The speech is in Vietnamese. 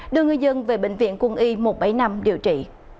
đưa người dân về bệnh viện quân y một trăm bảy mươi năm điều trị